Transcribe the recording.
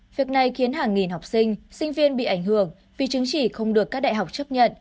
việc này khiến hàng nghìn học sinh sinh viên bị ảnh hưởng vì chứng chỉ không được các đại học chấp nhận